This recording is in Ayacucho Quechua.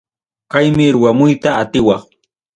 Kaymi ruwamuyta atiwaq.